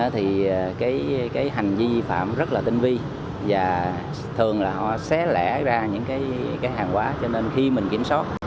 thì cái hành vi vi phạm rất là tinh vi và thường là họ xé lẻ ra những cái hàng hóa cho nên khi mình kiểm soát